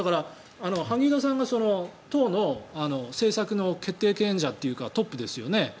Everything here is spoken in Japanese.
萩生田さんが党の政策の決定権者というかトップですよね。